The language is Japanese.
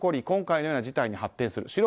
今回のような事態に発展する。